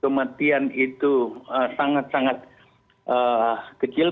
kematian itu sangat sangat kecil